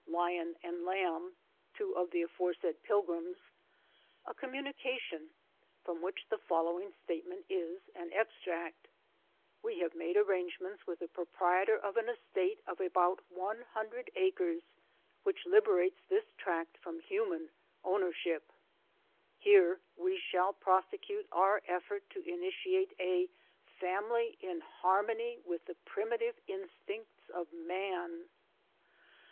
Lion & Lamb (two of the aforesaid pilgrims) a communication from which the following statement is an extract: — "We have made arrangements with the pro rprietor of an estate of about a hundred acres syhich liberates this tract fromliun:ianjQWiierdbip^ .Here we shall prosecute our effort to initiate a ' jF^SiUt in harmony with the primitive instincts \of man.